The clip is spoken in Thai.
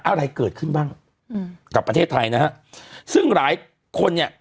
อะไรเกิดขึ้นบ้างอืมกับประเทศไทยนะฮะซึ่งหลายคนเนี่ย